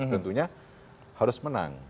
tentunya harus menang